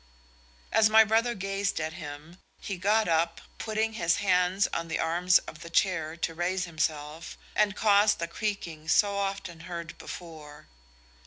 As my brother gazed at him, he got up, putting his hands on the arms of the chair to raise himself, and causing the creaking so often heard before.